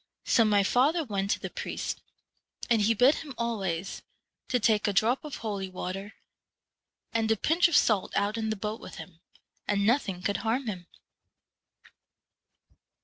So my father went to the priest, and he bid him always to take a drop of holy water and a pinch of salt out in the boat with him, and nothing could harm him.'